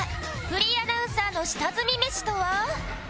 フリーアナウンサーの下積みメシとは？